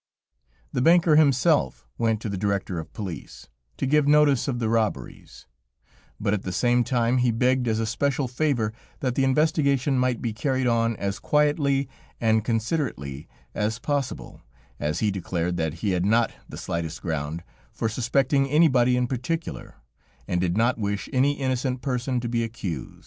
The banker himself went to the Director of Police to give notice of the robberies, but at the same time he begged as a special favor that the investigation might be carried on as quietly and considerately as possible, as he declared that he had not the slightest ground for suspecting anybody in particular, and did not wish any innocent person to be accused.